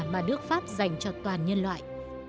mà nước pháp dành cho toàn nhân loại